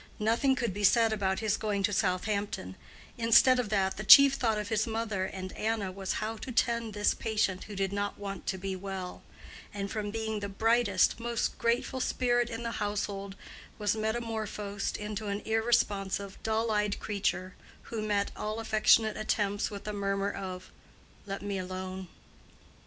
Nothing could be said about his going to Southampton: instead of that, the chief thought of his mother and Anna was how to tend this patient who did not want to be well, and from being the brightest, most grateful spirit in the household, was metamorphosed into an irresponsive, dull eyed creature who met all affectionate attempts with a murmur of "Let me alone."